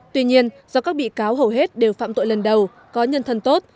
tuy nhiên do các bị cáo hầu hết đều phạm tội lần đầu có nhân thân tốt